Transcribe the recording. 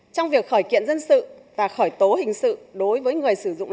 trong việc khởi kiện dân sự và khởi tố hình sự đối với người sử dụng